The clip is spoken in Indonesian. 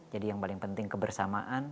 jadi yang paling penting kebersamaan